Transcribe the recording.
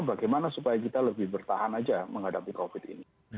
bagaimana supaya kita lebih bertahan aja menghadapi covid ini